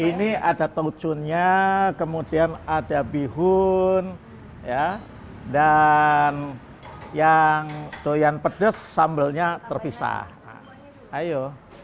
ini ada tauco nya kemudian ada bihun ya dan yang doyan pedes sambelnya terpisah ayo